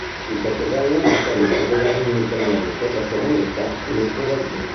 Il Portogallo mantenne il suo governo indipendente, la sua moneta e le sue leggi.